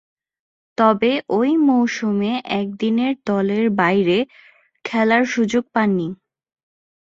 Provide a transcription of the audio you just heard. তবে, ঐ মৌসুমে একদিনের দলের বাইরে খেলার সুযোগ পাননি।